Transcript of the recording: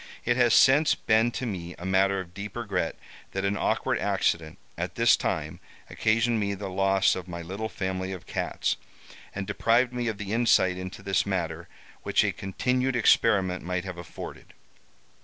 It has since been to me a matter of deep regret that an awkward accident, at this time, occasioned me the loss of my little family of cats, and deprived me of the insight into this matter which a continued experiment might have afforded.